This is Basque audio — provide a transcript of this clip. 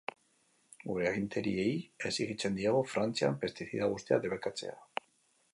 Gure agintariei exijitzen diegu Frantzian pestizida guztiak debekatzea.